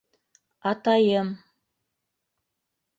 Атайым...